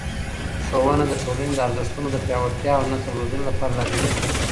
ښوونه د ټولنې د ارزښتونو د پیاوړتیا او نسل روزنې لپاره لازمي ده.